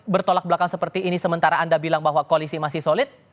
bertolak belakang seperti ini sementara anda bilang bahwa koalisi masih solid